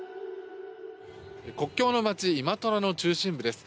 国境の街イマトラの中心部です。